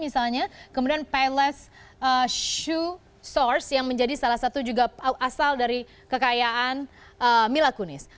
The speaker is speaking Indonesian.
misalnya kemudian paylas shu source yang menjadi salah satu juga asal dari kekayaan mila kunis